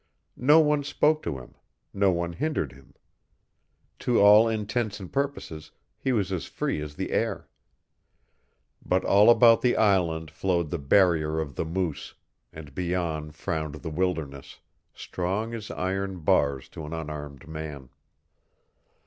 No one spoke to him, no one hindered him. To all intents and purposes he was as free as the air. But all about the island flowed the barrier of the Moose, and beyond frowned the wilderness strong as iron bars to an unarmed man.